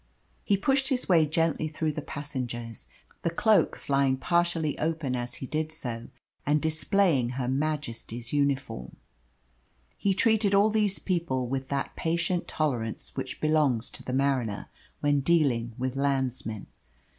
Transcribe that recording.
He pushed his way gently through the passengers, the cloak flying partially open as he did so and displaying Her Majesty's uniform. He treated all these people with that patient tolerance which belongs to the mariner when dealing with landsmen.